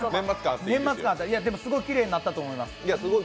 すごいきれいになったと思います。